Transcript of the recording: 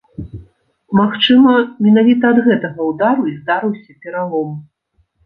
Магчыма, менавіта ад гэтага ўдару і здарыўся пералом.